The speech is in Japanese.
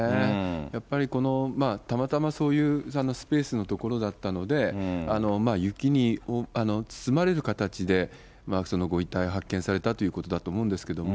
やっぱりこのたまたまそういうスペースの所だったので、雪に包まれる形で、そのご遺体発見されたということだと思うんですけれども。